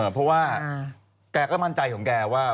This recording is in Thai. เพราะว่าแกก็มั่นใจของแกว่า